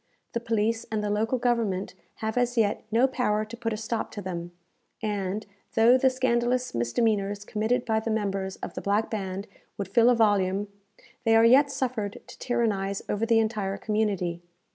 The police and the local government have as yet no power to put a stop to them, and, though the scandalous misdemeanours committed by the members of the Black Band would fill a volume, they are yet suffered to tyrannize over the entire community.